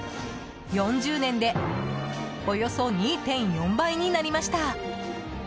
４０年でおよそ２．４倍になりました。